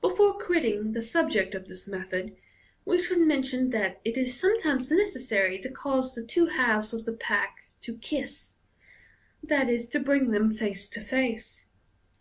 Before quitting the subject of this method, we should mention that it is sometimes necessary to cause the two halves of the pack to 'kiss,' 5 e., to bring them face to face.